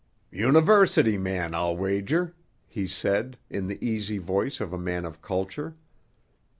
"University man, I'll wager," he said, in the easy voice of a man of culture.